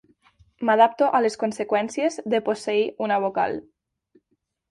M'adapto a les conseqüències de posseir una vocal.